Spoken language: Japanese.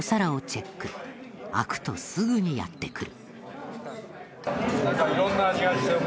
空くとすぐにやって来る。